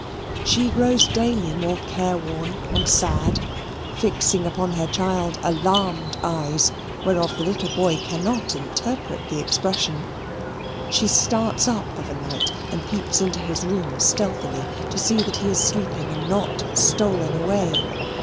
She grows daily more care worn and sad, fixing upon her child alarmed eyes, whereof the little boy cannot interpret the expression. She starts up of a night and peeps into his room stealthily, to see that he is sleeping and not stolen away.